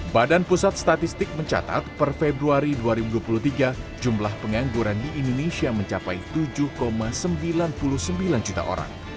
badan pusat statistik mencatat per februari dua ribu dua puluh tiga jumlah pengangguran di indonesia mencapai tujuh sembilan puluh sembilan juta orang